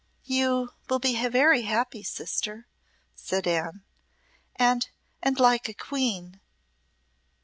"You will be very happy, sister," said Anne, "and and like a queen."